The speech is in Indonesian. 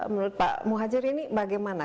menurut pak muhajir ini bagaimana